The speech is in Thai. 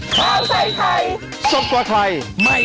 เพิ่มเวลา